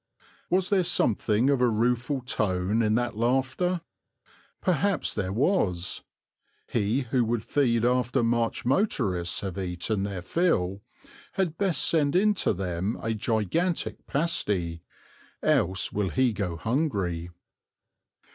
Was there something of a rueful tone in that laughter? Perhaps there was. He who would feed after March motorists have eaten their fill had best send in to them a gigantic pasty, else will he go hungry.